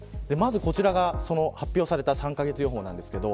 こちらが発表された３カ月予報です。